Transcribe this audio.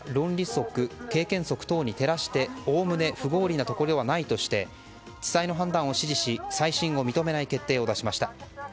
則経験則等に照らしておおむね不合理なところはないとして、地裁の判断を支持し再審を認めない決定を出しました。